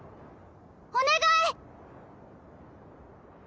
お願い！